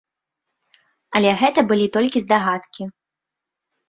Але гэта былі толькі здагадкі.